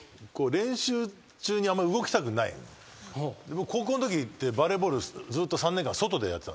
僕高校のときってバレーボールずっと３年間外でやってた。